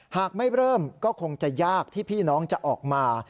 หากไม่เริ่มก็คงจะยากที่พี่น้องจะออกมา